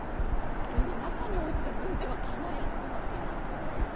今、中に置いていた軍手がかなり熱くなっています。